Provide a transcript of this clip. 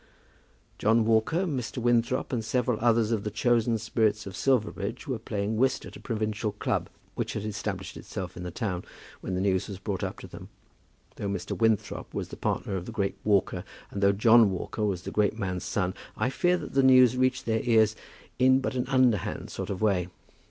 John Walker, Mr. Winthrop, and several others of the chosen spirits of Silverbridge, were playing whist at a provincial club, which had established itself in the town, when the news was brought to them. Though Mr. Winthrop was the partner of the great Walker, and though John Walker was the great man's son, I fear that the news reached their ears in but an underhand sort of way.